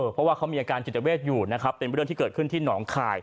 เพราะว่าเขามีอาการจิตเวทอยู่นะครับเป็นเรื่องที่เกิดขึ้นที่หนองคาย